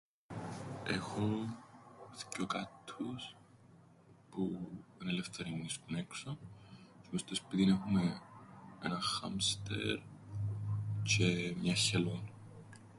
Έχω... θκυο κάττους, που... εν' ελεύθεροι, μεινίσκουν έξω, τζ̆αι μες στο σπίτιν έχουμεν έναν χάμστερ τζ̆αι... μιαν χελώναν.